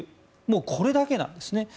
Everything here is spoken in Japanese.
これだけなんですね。